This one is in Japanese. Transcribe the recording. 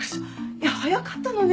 いや早かったのね。